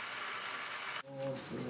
おすごい。